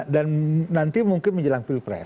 dan nanti mungkin menjelang pilpres